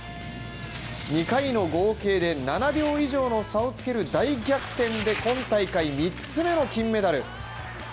２回の合計で７秒以上の差をつける大逆転で今大会３つ目の金メダル。